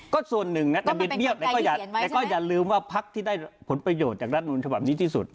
ก็ส่วนหนึ่งนะแต่บิดเบี้ยแต่ก็อย่าลืมว่าพักที่ได้ผลประโยชน์จากรัฐมนุนฉบับนี้ที่สุด